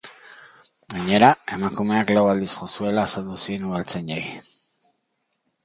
Gainera, emakumeak lau aldiz jo zuela azaldu zien udaltzainei.